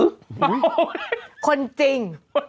โอ้โฮคนจริง